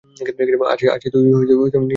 আছে, তুই নিজের চরকায় তেল দে।